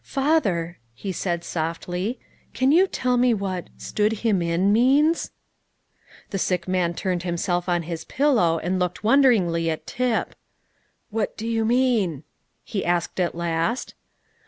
"Father," he said softly, "can't you tell me what 'stood him in' means?" The sick man turned himself on his pillow, and looked wonderingly at Tip. "What do you mean?" he asked at last.